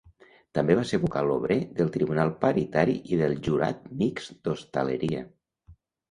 També va ser vocal obrer del Tribunal Paritari i del Jurat Mixt d'Hostaleria.